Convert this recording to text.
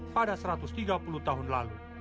pada satu ratus tiga puluh tahun lalu